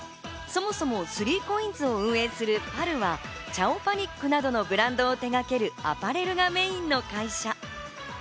そもそも３ＣＯＩＮＳを運営するパルはチャオパニックなどのブランドを手がけるアパレルがメインの会社。